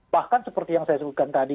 bahkan seperti yang saya sebutkan tadi